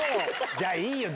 じゃあいいよ！